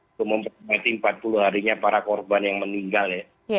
untuk memperingati empat puluh harinya para korban yang meninggal ya